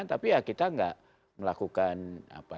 tapi ya kita nggak melakukan apa